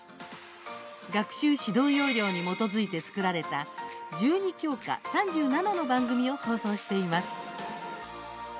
学習指導要領に基づいて作られた１２教科・３７の番組を放送しています。